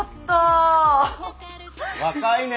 若いね。